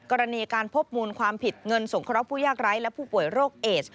กรณีการพบมูลความผิดเงินสงเคราะห์ผู้ยากไร้และผู้ป่วยโรคเอส